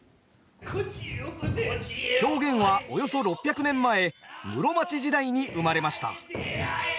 狂言はおよそ６００年前室町時代に生まれました。